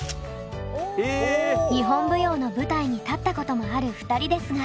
日本舞踊の舞台に立ったこともある２人ですが。